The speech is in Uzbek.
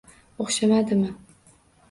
-O’xshamadimmi?